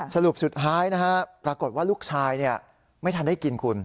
สรุปสุดท้ายนะฮะปรากฏว่าลูกชายไม่ทันได้กินคุณ